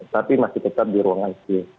tapi masih tetap di ruang asli